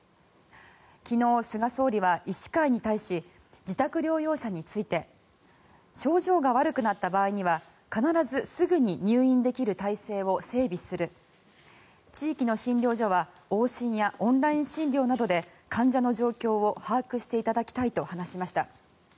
昨日、菅総理は医師会に対し自宅療養者について症状が悪くなった場合には必ずすぐに入院できる体制を整備する地域の診療所は往診やオンライン診療などで患者の状況を把握していただきたいと話しました。